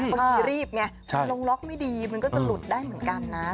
เมื่อกี้รีบไงถ้าลงล็อคไม่ดีมันก็จะหลุดได้เหมือนกันนะ